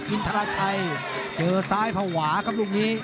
อินทราชัยเจอซ้ายภาวะครับลูกนี้